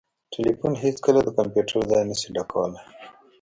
ټلیفون هیڅکله د کمپیوټر ځای نسي ډکولای